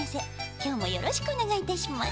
きょうもよろしくおねがいいたします。